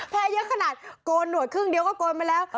เยอะขนาดโกนหนวดครึ่งเดียวก็โกนมาแล้ว